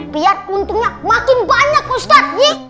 biar keuntungannya makin banyak ustaz ye